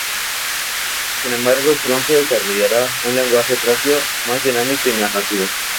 Sin embargo, pronto desarrollará un lenguaje propio, más dinámico y narrativo.